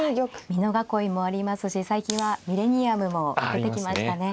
美濃囲いもありますし最近はミレニアムも出てきましたね。